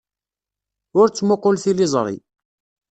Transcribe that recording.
Ur ttmuqqul tiliẓri.